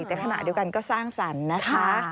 แต่ขณะเดียวกันก็สร้างสรรค์นะคะ